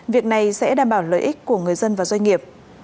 việc này sẽ đảm bảo lợi ích của người dân và doanh nghiệp